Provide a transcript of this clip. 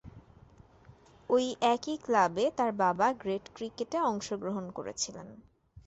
ঐ একই ক্লাবে তার বাবা গ্রেড ক্রিকেটে অংশগ্রহণ করেছিলেন।